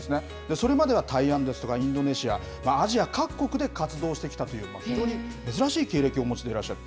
それまでは台湾ですとかインドネシア、アジア各国で活動してきたという、非常に珍しい経歴をお持ちでいらっしゃる。